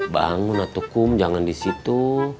bangun atukom jangan disitu